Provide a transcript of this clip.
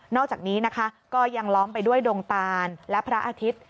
อกจากนี้นะคะก็ยังล้อมไปด้วยดงตานและพระอาทิตย์